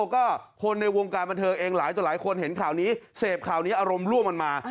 ก็คนในวงการบันเทิงเองหลายต่อหลายคนเห็นข่าวนี้เสพข่าวนี้อารมณ์ร่วมกันมา